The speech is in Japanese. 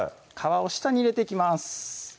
い皮を下に入れていきます